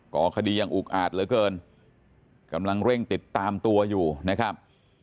ก่อคดียังอุกอาจเหลือเกินกำลังเร่งติดตามตัวอยู่นะครับ